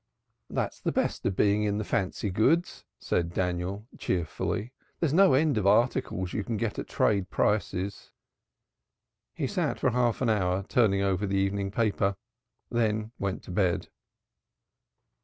"That's the best of being in the fancy," said Daniel cheerfully. "There's no end of articles you can get at trade prices." He sat for half an hour turning over the evening paper, then went to bed.